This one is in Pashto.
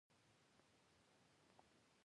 دا ځانګړنه انسان له نورو موجوداتو جلا کوي.